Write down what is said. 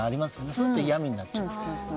そうすると嫌味になっちゃう。